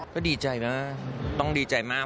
ก็ดีใจมากต้องดีใจมาก